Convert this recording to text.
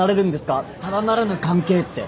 ただならぬ関係って。